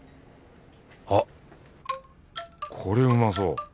あっこれうまそう。